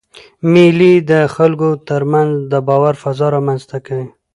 مېلې د خلکو ترمنځ د باور فضا رامنځ ته کوي.